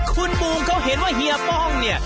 คุณบูมเขาเห็นว่าเฮียป้องเนี่ย